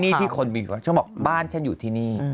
ที่นี่ที่คนผิวขาวเขาบอกบ้านฉันอยู่ที่นี่